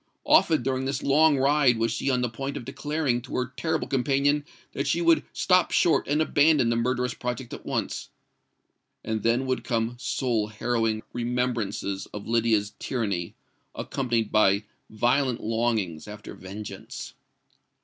Often during this long ride was she on the point of declaring to her terrible companion that she would stop short and abandon the murderous project at once: and then would come soul harrowing remembrances of Lydia's tyranny, accompanied by violent longings after vengeance.